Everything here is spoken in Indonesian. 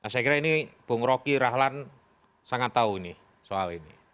saya kira ini bung roky rahlan sangat tahu ini soal ini